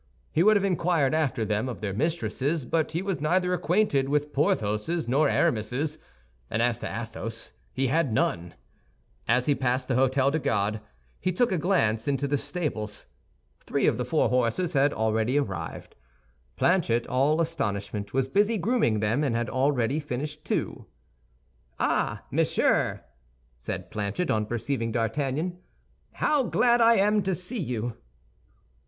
He would have inquired after them of their mistresses, but he was neither acquainted with Porthos's nor Aramis's, and as to Athos, he had none. As he passed the Hôtel des Gardes, he took a glance into the stables. Three of the four horses had already arrived. Planchet, all astonishment, was busy grooming them, and had already finished two. "Ah, monsieur," said Planchet, on perceiving D'Artagnan, "how glad I am to see you."